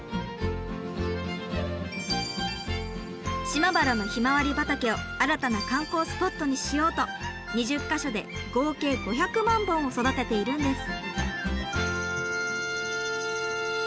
島原のひまわり畑を新たな観光スポットにしようと２０か所で合計５００万本を育てているんです。